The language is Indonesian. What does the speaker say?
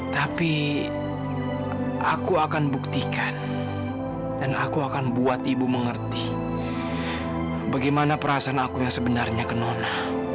tapi aku akan buktikan dan aku akan buat ibu mengerti bagaimana perasaan aku yang sebenarnya ke nona